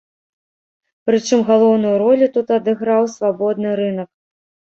Прычым галоўную ролю тут адыграў свабодны рынак.